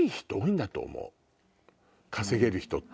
稼げる人って。